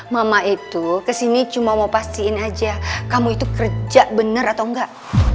mama itu kesini cuma mau pastiin aja kamu itu kerja benar atau enggak